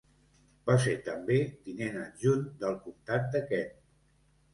Va ser també tinent adjunt del comtat de Kent.